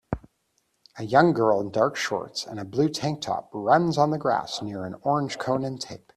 A young girl in dark shorts and a blue tank top runs on the grass near an orange cone and tape